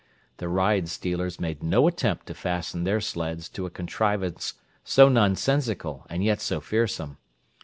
The ride stealers made no attempt to fasten their sleds to a contrivance so nonsensical and yet so fearsome.